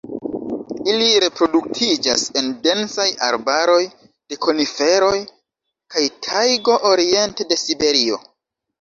Ili reproduktiĝas en densaj arbaroj de koniferoj kaj tajgo oriente de Siberio.